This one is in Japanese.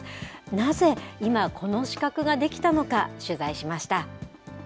なぜ今、この資格が出来たのか、取材しました。